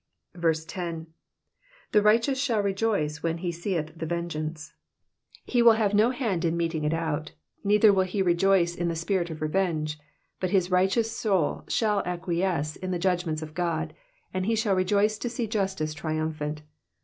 10. rA« righteous shall rejoice when he seeth the tengeance.'''* He will have no hand in meting it out, neither will he rejoice in the spirit of levenge, but his righteous soul shall acquiesce In the judgments of God, and he shall rejoice to see justice triumphant.